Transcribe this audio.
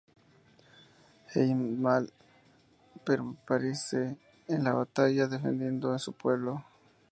Heimdall perece en la batalla defendiendo a su pueblo.